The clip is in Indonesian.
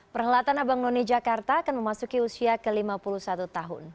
perhelatan abang none jakarta akan memasuki usia ke lima puluh satu tahun